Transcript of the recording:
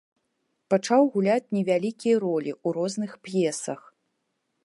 Пачаў гуляць невялікія ролі ў розных п'есах.